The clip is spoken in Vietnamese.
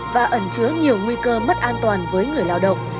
và ẩn chứa nhiều nguy cơ mất an toàn với người lao động